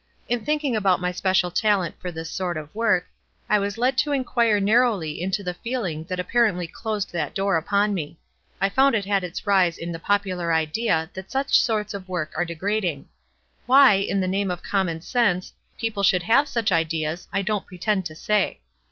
In thinking about my special 218 WISE AND OTHERWISE. talent; for this sort of work, I was led to inquire narrowly into the feeling that apparently closed that door upon me. I found it had its rise in the popular idea that such sorts of work arc de grading. Why, in the name of common sense, people should have such ideas, I don't pretend to say.